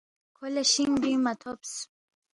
کھو لہ شِنگ بِنگ مہ تھوبس